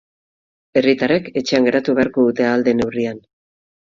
Herritarrek etxean geratu beharko dute ahal den neurrian.